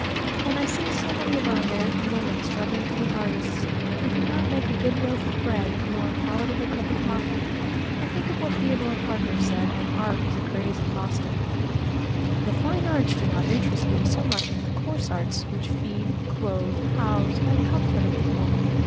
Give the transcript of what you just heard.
When I see so many of our American women struggling to be artists, who cannot make a good loaf of bread nor a palatable cup of coffee, I think of what Theodore Parker said when art was a craze in Boston. "The fine arts do not interest me so much as the coarse arts which feed, clothe, house, and comfort a people.